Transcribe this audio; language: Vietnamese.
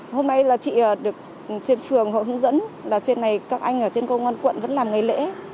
hôm nay là chị được trên phường hội hướng dẫn là trên này các anh ở trên công an quận vẫn làm ngày lễ